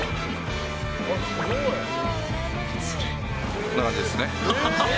こんな感じですね。